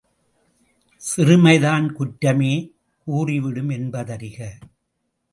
சிறுமைதான் குற்றமே கூறிவிடும் என்பதறிக!